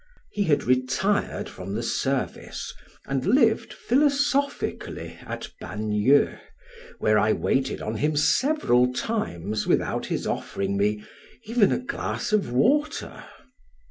He had retired from the service, and lived philosophically at Bagneux, where I waited on him several times without his offering me even a glass of water.